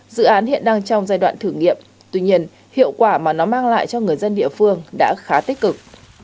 dự án hiện đang trong giai đoạn thử nghiệm tuy nhiên hiệu quả mà nó mang lại cho người dân địa phương đã khá tích cực